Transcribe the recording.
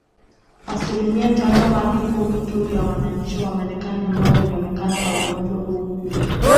Asilimia tano hadi kumi tu ya wananchi wa Marekani ambao walionekana na ugonjwa huo